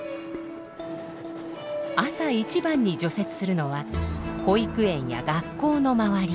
朝一番に除雪するのは保育園や学校の周り。